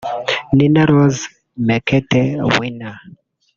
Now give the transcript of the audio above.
Nina Roz – Mekete (Winner)